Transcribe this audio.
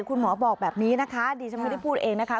คุณหมอบอกแบบนี้นะคะดิฉันไม่ได้พูดเองนะคะ